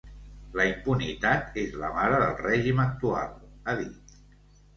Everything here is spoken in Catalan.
La impunitat és la mare del règim actual, ha dit.